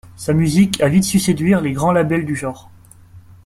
Sa musique a vite su séduire les grands labels du genre.